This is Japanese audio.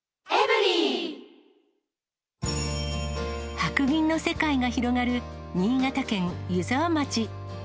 白銀の世界が広がる新潟県湯沢町。